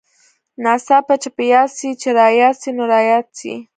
ناڅاپه چې په ياد سې چې راياد سې نو راياد سې.